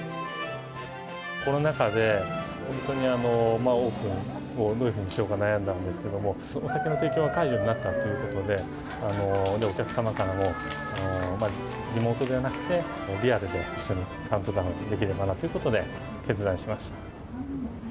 コロナ禍で、本当にオープンをどういうふうにしようか悩んだんですけれども、お酒の提供が解除になったということで、お客様からも、リモートではなくて、リアルで一緒にカウントダウンできればなということで、決断しました。